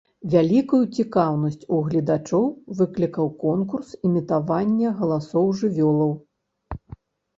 Вялікую цікаўнасць у гледачоў выклікаў конкурс імітавання галасоў жывёлаў.